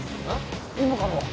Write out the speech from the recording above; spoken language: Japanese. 今からは？